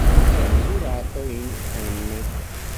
È misurato in m.